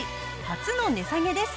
初の値下げです。